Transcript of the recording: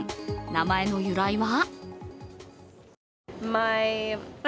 名前の由来は？